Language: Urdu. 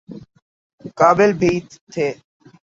قابل بھی تھے۔